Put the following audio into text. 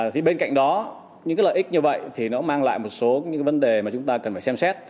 thì bên cạnh đó những cái lợi ích như vậy thì nó mang lại một số những vấn đề mà chúng ta cần phải xem xét